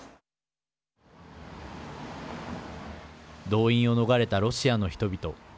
動員を逃れたロシアの人々。